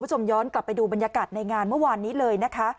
คุณผู้ชมย้อนกลับไปดูบรรยากาศในงานเมื่อวานนี้เลยนะคะ